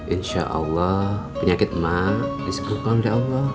insya allah penyakit mak di segera pulang dari allah